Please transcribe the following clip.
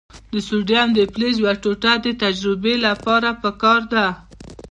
د سوډیم د فلز یوه ټوټه د تجربې لپاره پکار ده.